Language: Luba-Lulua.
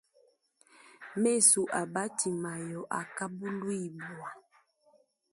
Mesu a batimayo akabuluibua.